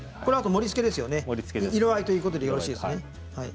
盛りつけですよね、色合いっていうことでよろしいですよね。